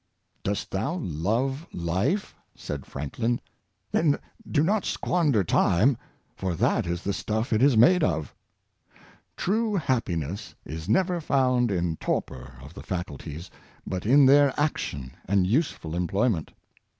"Dost thou love life?" said Franklin, " Then do not squander time for that is the stuff it is made of." True happiness is never found in torpor of the faculties, but in their action and useful employment.